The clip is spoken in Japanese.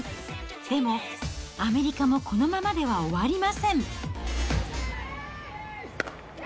でもアメリカもこのままでは終わりません。